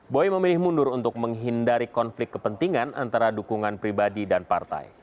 boy memilih mundur untuk menghindari konflik kepentingan antara dukungan pribadi dan partai